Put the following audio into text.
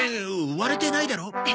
割れてないだろ？